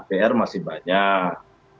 pr masih banyak